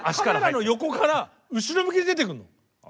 カメラの横から後ろ向きで出てくるの。